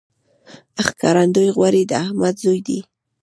ښکارندوی غوري د احمد زوی دﺉ.